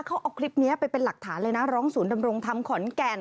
เขาเอาคลิปนี้ไปเป็นหลักฐานเลยนะร้องศูนย์ดำรงธรรมขอนแก่น